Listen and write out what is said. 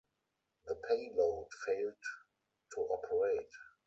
The payload failed to operate.